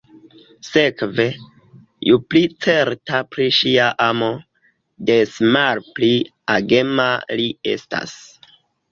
Sekve, ju pli certa pri ŝia amo, des malpli agema li estas.